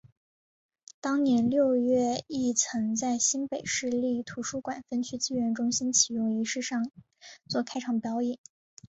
当年六月亦曾在新北市立图书馆分区资源中心启用仪式上做开场表演。